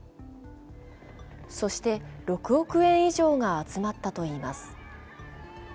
そして６億円以上が集まったといいます。